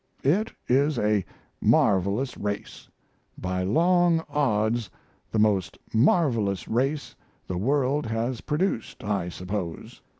It is a marvelous race; by long odds the most marvelous race the world has produced, I suppose.